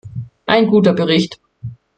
Ein guter Bericht.